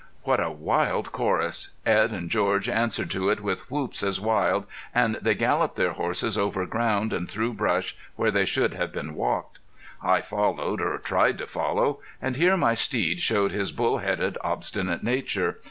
What a wild chorus! Edd and George answered to it with whoops as wild, and they galloped their horses over ground and through brush where they should have been walked. I followed, or tried to follow; and here my steed showed his bull headed, obstinate nature.